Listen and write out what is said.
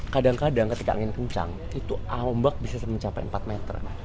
kadang kadang ketika angin kencang itu ombak bisa mencapai empat meter